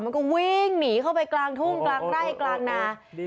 มันก็วิ่งหนีเข้าไปกลางทุ่งกลางไร่กลางนา